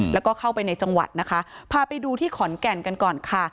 แล้วก็เข้าไปในจังหวัดนะคะพาไปดูที่ขอนแก่นกันก่อนค่ะ